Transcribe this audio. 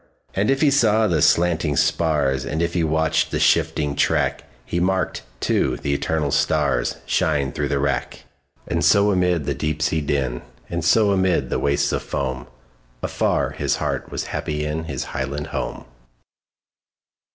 And if he saw the slanting spars, And if he watched the shifting track, He marked, too, the eternal starsShine through the wrack. And so amid the deep sea din, And so amid the wastes of foam, Afar his heart was happy inHis highland home!